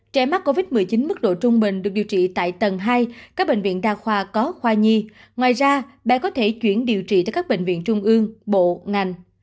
trẻ mắc covid một mươi chín mức độ trung bình được điều trị tại tầng hai các bệnh viện đa khoa có khoa nhi ngoài ra bé có thể chuyển điều trị tới các bệnh viện trung ương bộ ngành